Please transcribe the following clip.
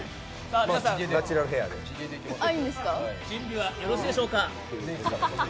皆さん準備はよろしいでしょうか？